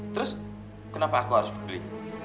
terus kenapa aku harus beli